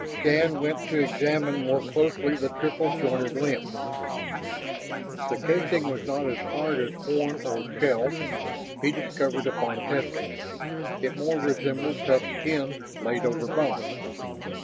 Shann went to examine more closely the triple jointed limb. The casing was not as hard as horn or shell, he discovered upon testing; it more resembled tough skin laid over bone.